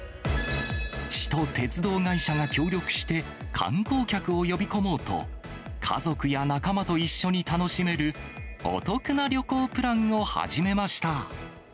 市と鉄道会社が協力して観光客を呼び込もうと、家族や仲間と一緒に楽しめるお得な旅行プランを始めました。